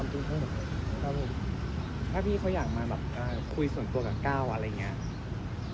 ทุกคนถ้าพี่เขาอยากมาแบบคุยส่วนตัวกับก้าวอะไรอย่างนี้